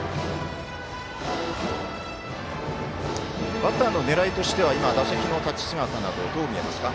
バッターの狙いとしては今、打席の立ち姿など、どう見えますか？